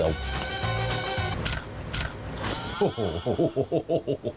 โฮโฮ